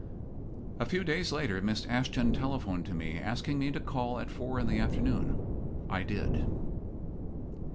A few days later Miss Ashton telephoned to me, asking me to call at four in the afternoon. I did.